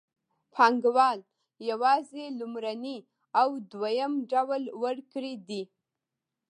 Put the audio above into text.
پانګوال یوازې لومړنی او دویم ډول ورکړي دي